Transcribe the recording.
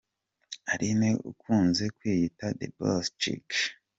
Aline ukunze kwiyita ’The Boss Chick’.